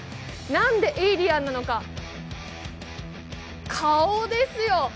なんでエイリアンなのか、顔ですよ。